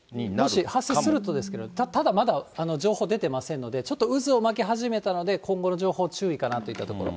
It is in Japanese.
もし発生するとですけど、ただまだ、情報は出ませんませんので、ちょっと渦を巻き始めたので、今後の情報、注意かなといったところ。